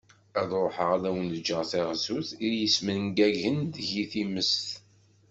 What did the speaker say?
Ad ruḥeγ ad awen-ğğeγ taγzut i yesmengagen deg-i timest.